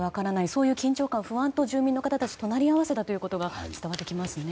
そういう緊張感、不安と隣り合わせだということが伝わってきますね。